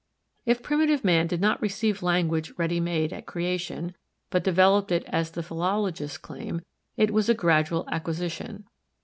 If primitive man did not receive language ready made at creation, but developed it as the philologists claim, it was a gradual acquisition.